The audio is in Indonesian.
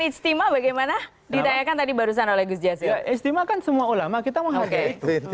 istimewa bagaimana dirayakan tadi barusan oleh gus jasir istimewa kan semua ulama kita menghadir